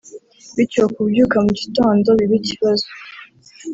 bityo kubyuka mu gitondo bibe ikibazo